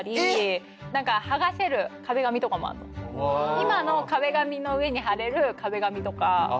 今の壁紙の上に貼れる壁紙とか。